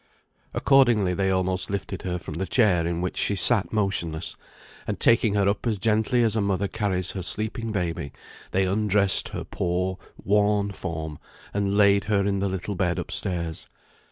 Accordingly they almost lifted her from the chair in which she sat motionless, and taking her up as gently as a mother carries her sleeping baby, they undressed her poor, worn form, and laid her in the little bed up stairs.